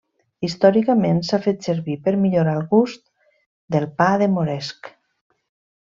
Històricament s'ha fet servir per millorar el gust del pa de moresc.